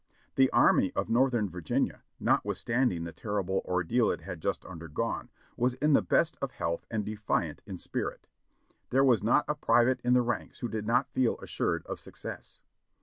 The Army of Northern Virginia, notwith standing the terrible ordeal it had just undergone, was in the best of health and defiant in spirit. There was not a private in the ranks who did not feel assured of success.